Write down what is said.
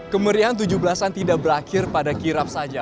kemerian tujuh belas an tidak berakhir pada kirap saja